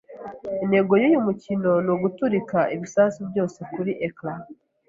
Intego yuyu mukino ni uguturika ibisasu byose kuri ecran.